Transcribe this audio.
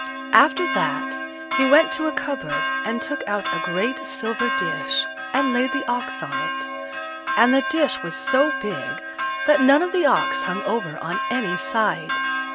After that, he went to a cupboard and took out a great silver dish, and laid the ox on it; and the dish was so big that none of the ox hung over on any side.